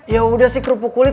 yaudah sih kerupuk kulit